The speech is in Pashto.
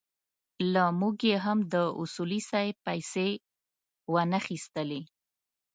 له موږ یې هم د اصولي صیب پېسې وانخيستلې.